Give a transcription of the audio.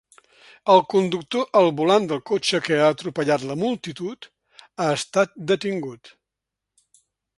El conductor al volant del cotxe que ha atropellat la multitud ha estat detingut.